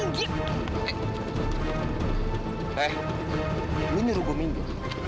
eh lu nyuruh gua minggu